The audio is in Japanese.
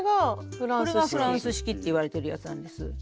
フランス式っていわれてるやつなんです。